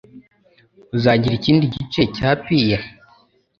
Uzagira ikindi gice cya pie?